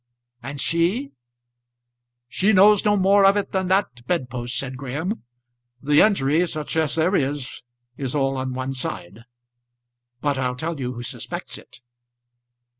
"And she?" "She knows no more of it than that bed post," said Graham. "The injury, such as there is, is all on one side. But I'll tell you who suspects it."